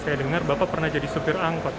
saya dengar bapak pernah jadi sopir angkot